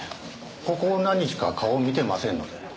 ここ何日か顔を見てませんので。